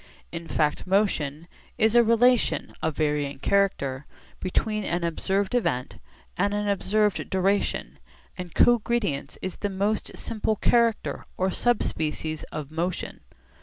In fact motion is a relation (of varying character) between an observed event and an observed duration, and cogredience is the most simple character or subspecies of motion.